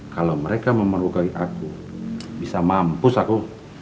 kalau mereka memerukai aku bisa mampus aku